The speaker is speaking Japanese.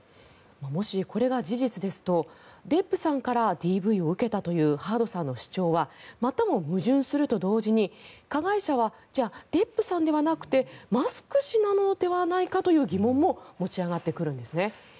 もしこれが事実ですとデップさんからＤＶを受けたというハードさんの主張はまたも矛盾すると同時に加害者はデップさんではなくてマスク氏なのではないかという疑問も持ち上がってくるんですね。